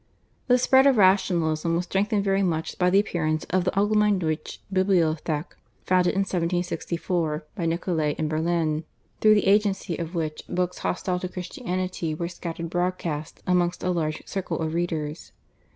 The spread of Rationalism was strengthened very much by the appearance of the /Allgemeine Deutsche Bibliothek/, founded in 1764 by Nicolai in Berlin, through the agency of which books hostile to Christianity were scattered broadcast amongst a large circle of readers.